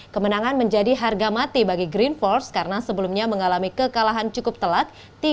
kemenangan menjadi harga mati bagi green force karena sebelumnya mengalami kekalahan cukup telak